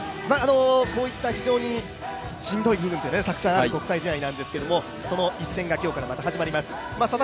こういった非常にしんどい部分ってたくさんある国際試合ですけどその一戦が今日からまた始まります。